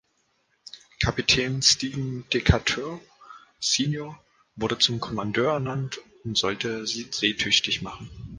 Kapitän Stephen Decatur, Senior, wurde zum Kommandeur ernannt und sollte sie seetüchtig machen.